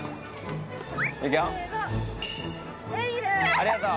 ありがとう！